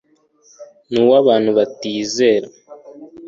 nu wa bantu batizera